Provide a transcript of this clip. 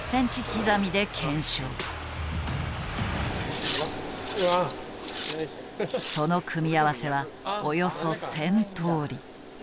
その組み合わせはおよそ１，０００とおり。